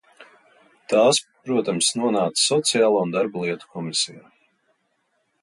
Tās, protams, nonāca Sociālo un darba lietu komisijā.